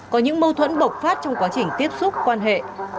có những mâu thuẫn bộc phát trong quá trình tiếp xúc quan hệ